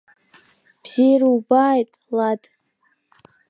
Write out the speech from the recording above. Бзиара убааит, Лад!